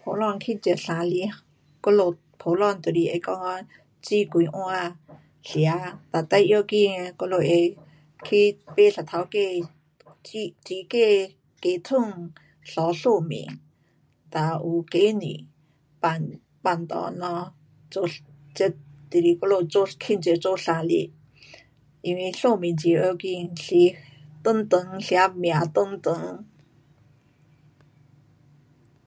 普通庆祝生日我们普通就是会讲说煮几碗吃，da 最要紧的我们会去买一只鸡煮鸡，鸡汤，沸寿面 da 有鸡蛋放，放里咯，做这就是做我们做庆祝做生日。因为寿面很要紧是长长吃命长长。